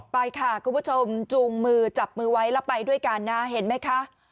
ไปค่ะคุณผู้ชมจูงมือจับมือไว้แล้วไปด้วยกันนะเห็นไหมคะ